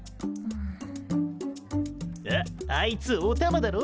あっあいつおたまだろ？